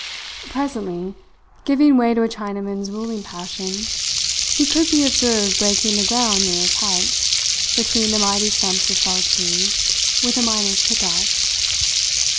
Presently, giving way to a Chinaman's ruling passion, he could be observed breaking the ground near his hut, between the mighty stumps of felled trees, with a miner's pickaxe.